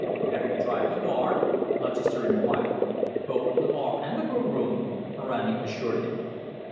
"Have you tried the bar?" Lutchester inquired. "Both the bar and the grillroom," Ferrani assured him.